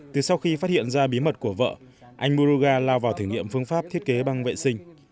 từ sau khi phát hiện ra bí mật của vợ anh muroga lao vào thử nghiệm phương pháp thiết kế băng vệ sinh